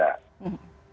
dan hari ini berapa